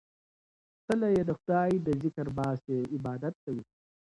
څله يې د خداى د ذکر باسې ، عبادت کوي